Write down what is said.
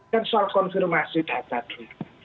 kan soal konfirmasi data dulu